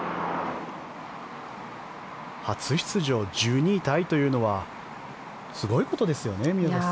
初出場、１２位タイというのはすごいことですよね、宮里さん。